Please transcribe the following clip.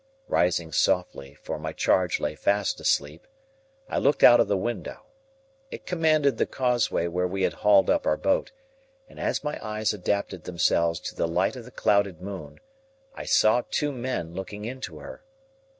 Rising softly, for my charge lay fast asleep, I looked out of the window. It commanded the causeway where we had hauled up our boat, and, as my eyes adapted themselves to the light of the clouded moon, I saw two men looking into her.